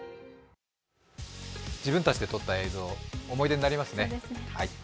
自分たちで撮った映像、思い出になりますね。